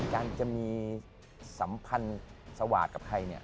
การจะมีสัมพันธ์สวาสตร์กับใครเนี่ย